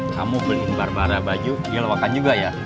kamu beli barbara baju diluakan juga ya